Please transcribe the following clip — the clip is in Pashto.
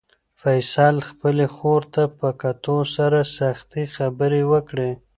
فیصل خپلې خور ته په کتو سره سختې خبرې وکړې.